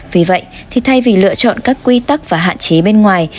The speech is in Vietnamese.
vì vậy thì thay vì lựa chọn các quy tắc và hạn chế bên ngoài